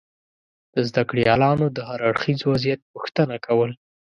د زده کړیالانو دهر اړخیز وضعیت پوښتنه کول